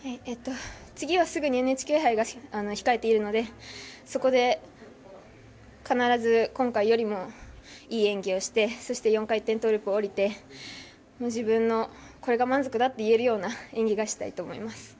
次はすぐにＮＨＫ杯が控えているのでそこで必ず今回よりもいい演技をしてそして４回転トウループを降りて自分のこれが満足だといえる演技がしたいと思います。